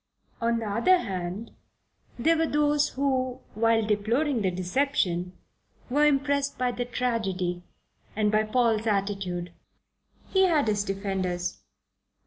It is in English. On the other hand, there were those who, while deploring the deception, were impressed by the tragedy and by Paul's attitude. He had his defenders.